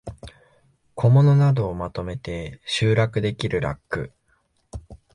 小物などをまとめて収納できるラック